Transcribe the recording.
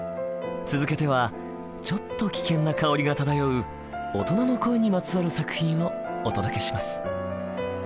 続けてはちょっと危険な香りが漂う「大人の恋」にまつわる作品をお届けします。